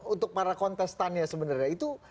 untuk para kontestannya sebenarnya itu